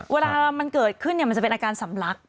เวลามันเกิดขึ้นมันจะเป็นอาการสำลัก